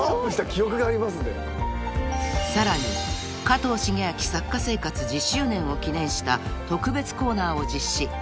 ［さらに加藤シゲアキ作家生活１０周年を記念した特別コーナーを実施］